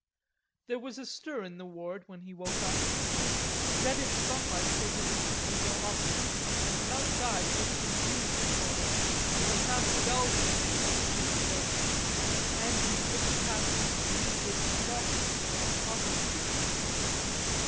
There was a stir in the ward when he woke up. Reddish sunlight filtered in through the window opposite, and from outside came a confused noise, a sound of bells ringing and whistles blowing. Andrews looked past his feet towards Stalky's cot opposite.